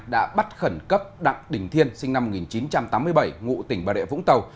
đã bắt khẩn cấp đặng đình thiên sinh năm một nghìn chín trăm tám mươi bảy ngụ tỉnh bà đệ vũng tàu